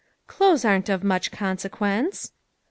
"Clothes are not of much consequence."